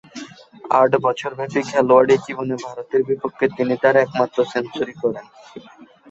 আট বছরব্যাপী খেলোয়াড়ী জীবনে ভারতের বিপক্ষে তিনি তার একমাত্র সেঞ্চুরি করেন।